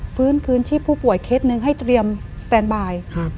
ฟื้นคืนชีพผู้ป่วยเคสหนึ่งให้เตรียมแตนบาย